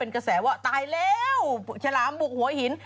กระแสว่าตายแล้วฉลามบุกหัวหิน